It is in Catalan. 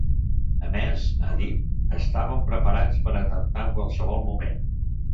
A més –ha dit–, estaven preparats per a atemptar en qualsevol moment.